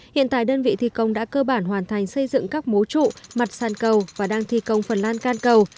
hiện tại đơn vị thi công đã cơ bản hoàn thành xây dựng các mố trụ mặt sàn cầu và đang thi công phần lan can cầu